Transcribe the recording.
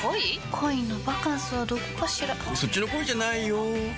恋のバカンスはどこかしらそっちの恋じゃないよ